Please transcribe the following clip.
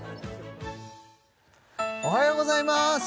おはようございます